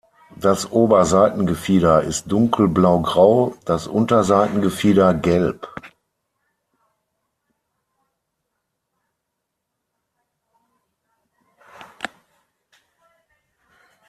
Das Oberseitengefieder ist dunkel blaugrau; das Unterseitengefieder gelb.